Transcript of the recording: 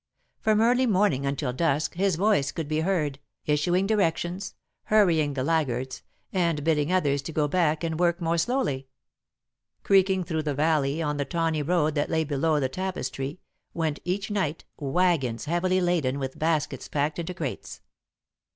From early morning until dusk his voice could be heard, issuing directions, hurrying the laggards, and bidding others to go back and work more slowly. [Sidenote: After the Day's Work] Creaking through the valley, on the tawny road that lay below the tapestry, went, each night, waggons heavily laden with baskets packed into crates.